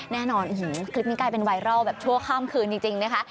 แน่นอนคลิปนี้กลายเป็นไวรัลแบบชั่วค่ำคืนจริงนะคะ